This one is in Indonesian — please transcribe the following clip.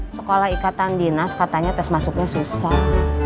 sekolah ikatan dinas katanya tes masuknya susah